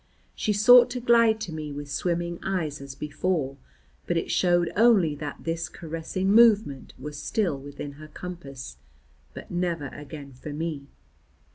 She sought to glide to me with swimming eyes as before, but it showed only that this caressing movement was still within her compass, but never again for me.